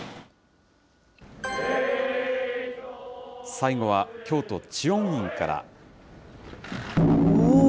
最後は京都・知恩院から。